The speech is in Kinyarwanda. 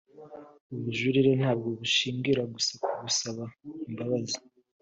bujurire ntabwo bushingira gusa kugusaba imbabazi